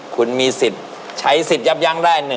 คุณมีสิทธิ์ใช้สิทธิ์ยับยั้งได้